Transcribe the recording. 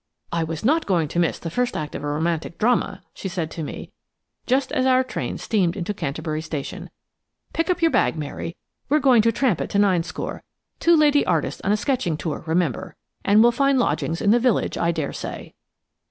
"I was not going to miss the first act of a romantic drama," she said to me just as our train steamed into Canterbury station. "Pick up your bag, Mary. We're going to tramp it to Ninescore–two lady artists on a sketching tour, remember–and we'll find lodgings in the village, I dare say."